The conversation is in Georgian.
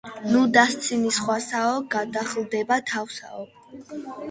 ნუ დასცინი სხვასაო გადახლდება თავსაო